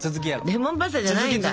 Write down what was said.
レモンパスタじゃないんだ！